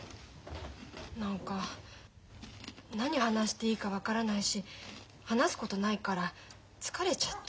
何か何話していいか分からないし話すことないから疲れちゃった。